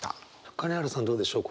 金原さんどうでしょう？